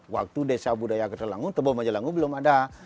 waktu desa budaya kertalangu tebel majelangu belum ada